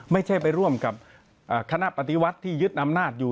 ไม่ใช่ไปร่วมกับคณะปฏิวัติที่ยึดอำนาจอยู่